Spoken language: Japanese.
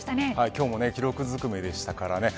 今日も記録ずくめでしたからね。